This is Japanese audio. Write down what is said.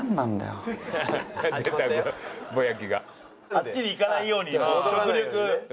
あっちに行かないようにもう極力。